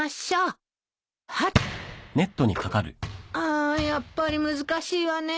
あやっぱり難しいわね。